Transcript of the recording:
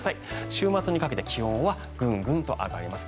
週末にかけて気温はぐんぐんと上がります。